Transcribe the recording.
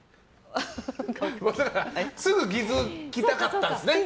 すぐ気づきたかったんですね。